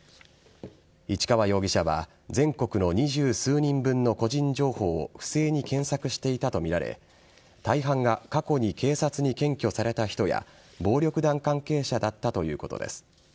市川容疑者は、全国の二十数人分の個人情報を不正に検索していたと見られ、大半が過去に警察に検挙された人や、暴力団関係者だったということです。